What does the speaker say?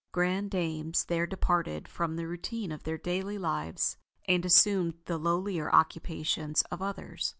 Grand dames there departed from the routine of their daily lives and assumed the lowlier occupations of others.